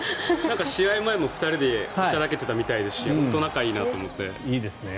試合前も２人でおちゃらけていたみたいですし本当に仲がいいなと思って。